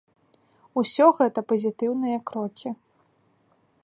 Усё гэта пазітыўныя крокі.